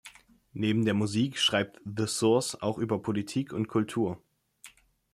Neben der Musik schreibt "The Source" auch über Politik und Kultur.